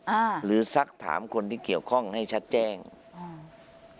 อ่าหรือสักถามคนที่เกี่ยวข้องให้ชัดแจ้งอืม